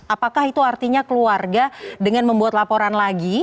apakah itu artinya keluarga dengan membuat laporan lagi